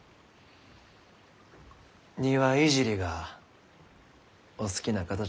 庭いじりがお好きな方じゃったき。